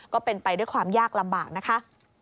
ก็เป็นไปด้วยความยากลำบากนะคะ